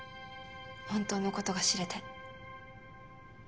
本当のことが知れて。